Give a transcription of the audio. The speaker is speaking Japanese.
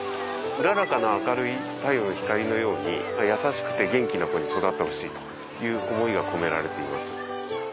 うららかな明るい太陽の光のように優しくて元気な子に育ってほしいという思いが込められています。